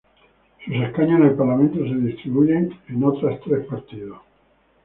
Sus escaños en el parlamento se distribuyeron a otras tres partidos.